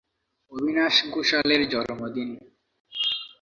অবিনাশ ঘোষালের জন্মদিন।